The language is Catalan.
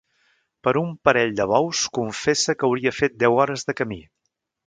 Per un parell de bous confesse que hauria fet deu hores de camí.